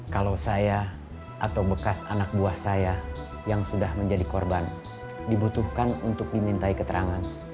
kalau saya atau bekas anak buah saya yang sudah menjadi korban dibutuhkan untuk dimintai keterangan